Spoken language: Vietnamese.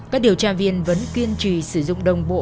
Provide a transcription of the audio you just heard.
các điều tra viên vẫn kiên trì sử dụng đồng bộ